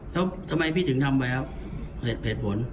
แล้วทำไมพี่ถึงทำไปครับเหตุผล